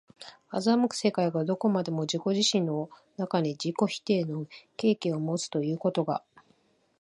斯く世界がどこまでも自己自身の中に自己否定の契機をもつということが、